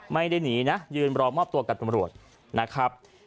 ไม่ได้หนีนะยืนรอมอบตัวกับตำรวจนะครับ